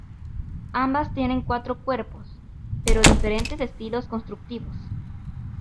Ambas tienen cuatro cuerpos, pero diferentes estilos constructivos.